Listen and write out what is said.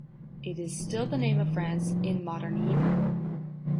It is still the name of France in Modern Hebrew.